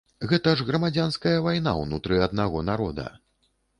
Гэта ж грамадзянская вайна ўнутры аднаго народа.